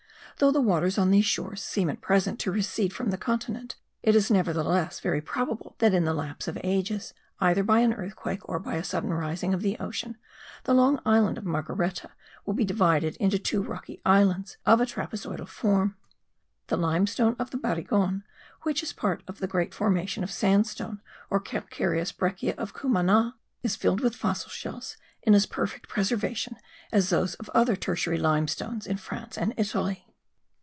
Though the waters on these shores seem at present to recede from the continent it is nevertheless very probable that in the lapse of ages, either by an earthquake or by a sudden rising of the ocean, the long island of Margareta will be divided into two rocky islands of a trapezoidal form. The limestone of the Barigon, which is a part of the great formation of sandstone or calcareous breccia of Cumana, is filled with fossil shells in as perfect preservation as those of other tertiary limestones in France and Italy.